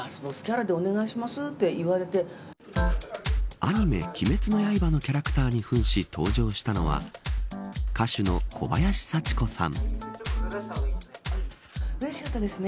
アニメ鬼滅の刃のキャラクターにふんし登場したのは歌手の小林幸子さん。